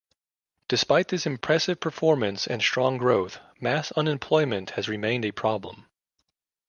Despite this impressive performance and strong growth mass unemployment has remained a problem.